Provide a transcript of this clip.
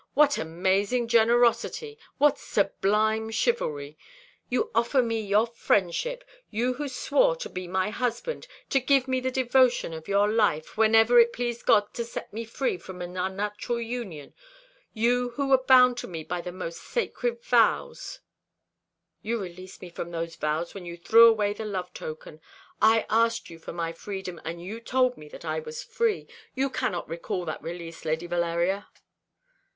"What amazing generosity, what sublime chivalry! You offer me your friendship you who swore to be my husband, to give me the devotion of your life, whenever it pleased God to set me free from an unnatural union. You who were bound to me by the most sacred vows." "You released me from those vows when you threw away the love token. I asked you for my freedom, and you told me that I was free. You cannot recall that release, Lady Valeria."